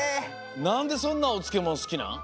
なんでそんなおつけもんすきなん？